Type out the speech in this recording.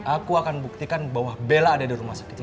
aku akan buktikan bahwa bella ada di rumah sakit